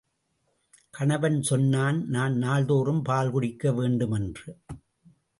கணவன் சொன்னான் நான் நாள்தோறும் பால் குடிக்க வேண்டும் என்று.